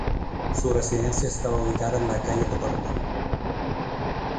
Su residencia estaba ubicada en la Calle Tocornal.